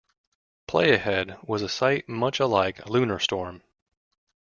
Playahead was a site much alike LunarStorm.